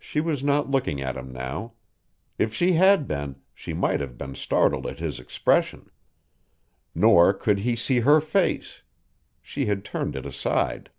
She was not looking at him now. If she had been, she might have been startled at his expression. Nor could he see her face; she had turned it aside.